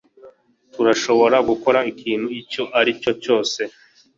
turashobora gukora ikintu icyo ari cyo cyose